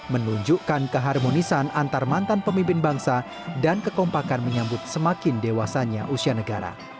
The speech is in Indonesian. menunjukkan keharmonisan antar mantan pemimpin bangsa dan kekompakan menyambut semakin dewasanya usia negara